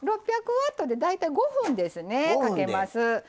ワットで大体５分ですねかけます。